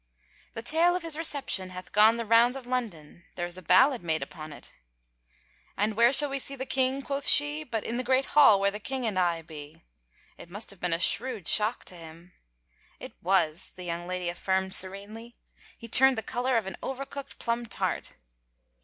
" The tale of his reception hath gone the rounds of London. There is a ballad made upon it." « t And where shall we see the king?' quoth she, ' But in the great hall where the king and I be 1 '... It must have been a shrewd shock to him." " It was," the young lady affirmed serenely. " He turned the color of an over cooked plum tart."